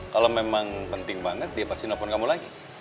kalau memang penting banget dia pasti nelfon kamu lagi